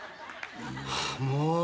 もう。